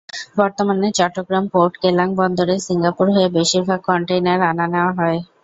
বর্তমানে চট্টগ্রাম-পোর্ট কেলাং বন্দরে সিঙ্গাপুর হয়ে বেশির ভাগ কনটেইনার আনা-নেওয়া হয়।